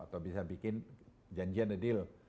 atau bisa bikin janjian deal